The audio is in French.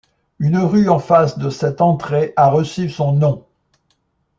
Une rue en face de cette entrée a reçu son nom.